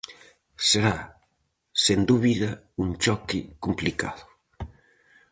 Será sen dúbida un choque complicado.